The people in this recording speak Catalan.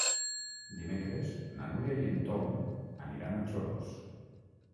Dimecres na Núria i en Tom aniran a Xodos.